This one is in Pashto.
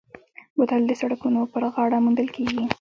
بوتل د سړکونو پر غاړه موندل کېږي.